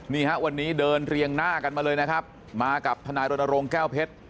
นี่ฮะวันนี้เดินเรียงหน้ากันมาเลยนะครับมากับทนายรณรงค์แก้วเพชร